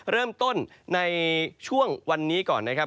เริ่มต้นในช่วงวันนี้ก่อนนะครับ